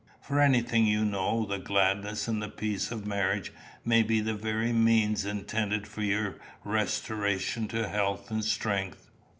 For anything you know, the gladness and the peace of marriage may be the very means intended for your restoration to health and strength.